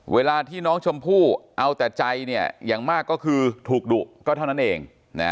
เวลาที่น้องชมพู่เอาแต่ใจอย่างมากก็คือถูกดุก็เท่านั้นเอง